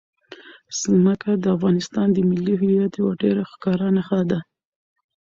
ځمکه د افغانستان د ملي هویت یوه ډېره ښکاره نښه ده.